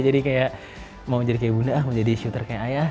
jadi kayak mau jadi kayak bu noah mau jadi shooter kayak ayah